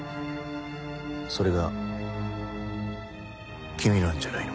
それが君なんじゃないのか？